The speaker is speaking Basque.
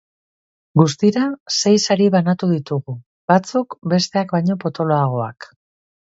Guztira sei sari banatu ditugu, batzuk besteak baino potoloagoak.